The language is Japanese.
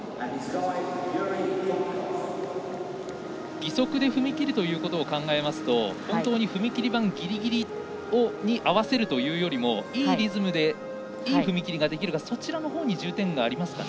義足で踏み切るということを考えると本当に踏み切り板ぎりぎりに合わせるというよりいいリズムでいい踏み切りができるかそちらのほうに重点がありますかね。